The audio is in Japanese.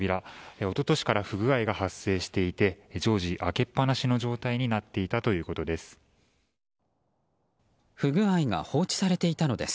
一昨年から不具合が発生していて常時、開けっ放しの状態になっていたということです。